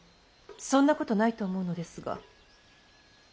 そんなことないと思うのですが。